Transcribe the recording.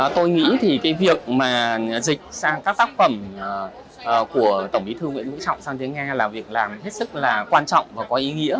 tôi nghĩ thì cái việc mà dịch sang các tác phẩm của tổng bí thư nguyễn vũ trọng sang tiếng nga là việc làm hết sức là quan trọng và có ý nghĩa